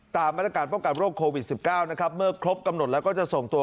ตามมาตรการป้องกันโรคโควิด๑๙นะครับเมื่อครบกำหนดแล้วก็จะส่งตัว